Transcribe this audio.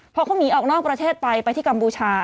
พอเขาหนีออกนอกประเทศไปไปที่กัมพูชา